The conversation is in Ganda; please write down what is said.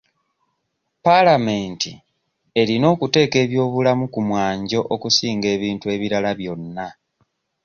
Paalamenti erina okuteeka eby'obulamu ku mwanjo okusinga ebintu ebirala byonna.